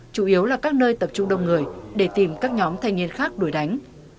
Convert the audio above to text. chủ yếu là các nơi tập trung đông người để tìm các nhóm thanh niên khác đổi đánh